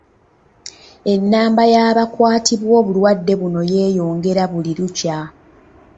Ennamba y’abakwatibwa obulwadde buno yeeyongera buli lukya.